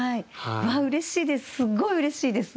うれしいですすっごいうれしいです。